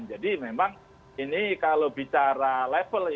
jadi memang ini kalau bicara level ini